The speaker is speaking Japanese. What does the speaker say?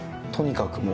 とにかく